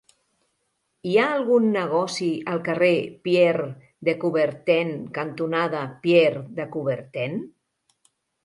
Hi ha algun negoci al carrer Pierre de Coubertin cantonada Pierre de Coubertin?